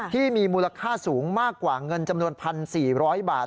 ที่มีมูลค่าสูงมากกว่าเงินจำนวน๑๔๐๐บาท